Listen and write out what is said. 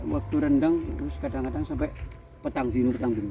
waktu rendang kadang kadang sampai petang dino